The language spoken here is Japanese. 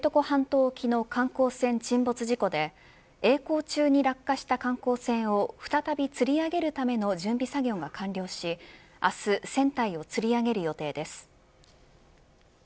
北海道知床半島沖の観光船沈没事故でえい航中に落下した観光船を再びつり上げるための準備作業が完了し明日船体をつり上げる予定です。